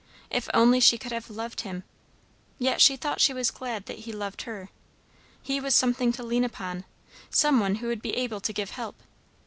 If only she could have loved him! Yet she thought she was glad that he loved her. He was something to lean upon; some one who would be able to give help.